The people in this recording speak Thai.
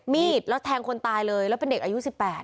มีดแล้วแทงคนตายเลยแล้วเป็นเด็กอายุ๑๘